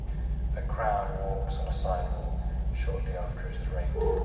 A crowd walks on a sidewalk shortly after it has rained.